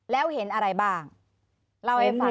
แล้วเห็นอะไรบ้างเล่าให้ฟังใหม่ค่ะ